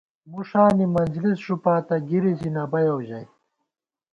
مُݭانی منجلېس ݫُپاتہ ، گِری ژی نہ بَیَؤ ژَئی